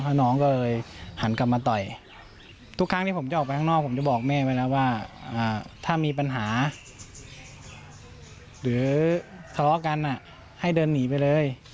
แล้วน้องก็เลยหันกลับมาต่อยทุกครั้งที่ผมจะออกไปข้างนอกผมจะบอกแม่ไปแล้วว่าถ้ามีปัญหาหรือทะเลาะกันให้เดินหนีไปเลย